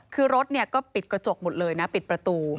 คือรถก็ปิดกระจกหมดเลยนะปิดประตู